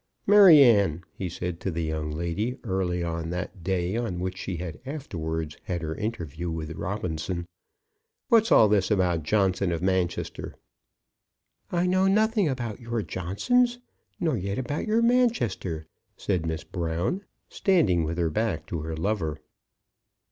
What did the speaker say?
"Maryanne," he said to the young lady early on that day on which she had afterwards had her interview with Robinson, "what's all this about Johnson of Manchester?" "I know nothing about your Johnsons, nor yet about your Manchester," said Miss Brown, standing with her back to her lover.